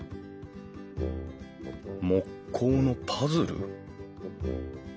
木工のパズル？